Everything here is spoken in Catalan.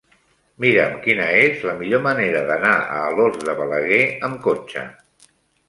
Mira'm quina és la millor manera d'anar a Alòs de Balaguer amb cotxe.